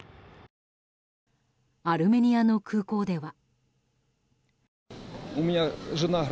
アルメニアの空港では。